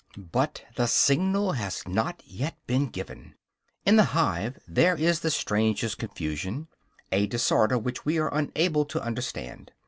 But the signal has not yet been given. In the hive there is the strangest confusion, a disorder which we are unable to understand.